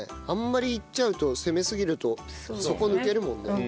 あんまりいっちゃうと攻めすぎると底抜けるもんね。